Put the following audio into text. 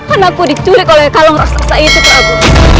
anakku diculik oleh kalung raksasa itu prabu